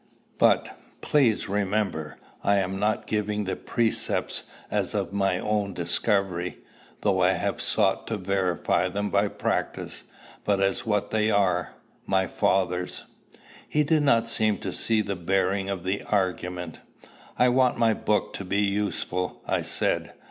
But, please, remember I am not giving the precepts as of my own discovery, though I have sought to verify them by practice, but as what they are, my father's." He did not seem to see the bearing of the argument. "I want my book to be useful," I said.